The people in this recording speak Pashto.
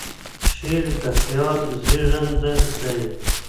شعر د خیال زېږنده دی.